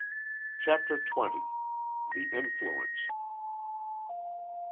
CHAPTER TWENTY. THE INFLUENCE.